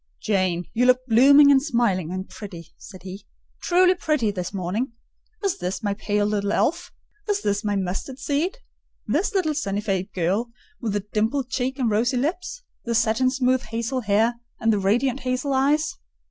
"Jane, you look blooming, and smiling, and pretty," said he: "truly pretty this morning. Is this my pale, little elf? Is this my mustard seed? This little sunny faced girl with the dimpled cheek and rosy lips; the satin smooth hazel hair, and the radiant hazel eyes?"